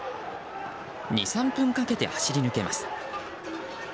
２３分かけて走り抜けます。